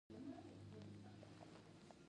د اوزون طبقه څه دنده لري؟